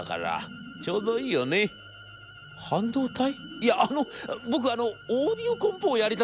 いやあの僕あのオーディオコンポをやりたくて』。